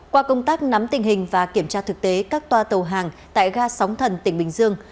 qua công tác nắm tình hình và kiểm tra thực tế các toa tàu hàng tại ga sóng thần tỉnh bình dương